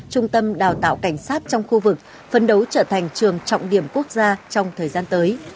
trung tâm đào tạo cảnh sát trong khu vực phấn đấu trở thành trường trọng điểm quốc gia trong thời gian tới